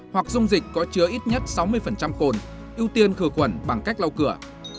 hoặc dung dịch có chứa ít nhất sáu mươi cồn ưu tiên khử khuẩn bằng cách lau cửa